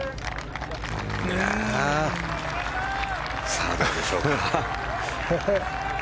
さあ、どうでしょうか。